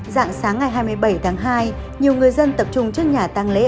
dạng sáng ngày hai mươi bảy tháng hai nhiều người dân tập trung trước nhà tăng lễ